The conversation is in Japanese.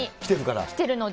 来てるのか。